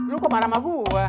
lo kemarah sama gue